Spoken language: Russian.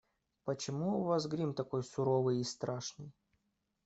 Почему у вас грим такой суровый и страшный?